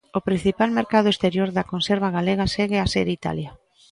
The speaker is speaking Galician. O principal mercado exterior da conserva galega segue a ser Italia.